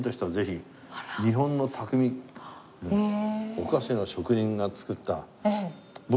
お菓子の職人が作った。